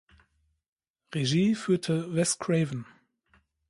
Regie führte Wes Craven.